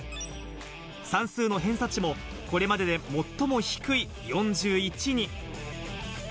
算数の偏差値もこれまでで最も低い４１に。